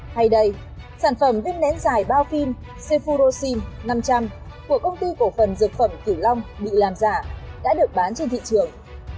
hay đây sản phẩm viên nén dài bao phim sefuroxim năm trăm linh của công ty cổ phần dược phẩm cửu long bị làm giả đã được bán trên thị trường